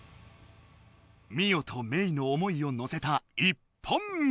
ミオとメイの思いをのせた１本目。